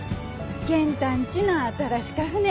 ケン太んちの新しか船。